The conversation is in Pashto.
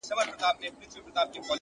ښه عادتونه خاموشه پانګه ده,